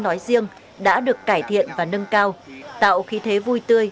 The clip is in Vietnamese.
nói riêng đã được cải thiện và nâng cao tạo khí thế vui tươi